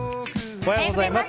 おはようございます。